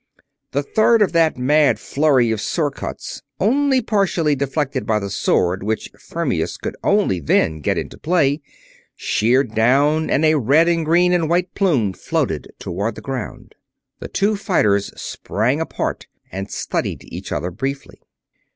The third of the mad flurry of swordcuts, only partially deflected by the sword which Fermius could only then get into play, sheared down and a red, a green, and a white plume floated toward the ground. The two fighters sprang apart and studied each other briefly.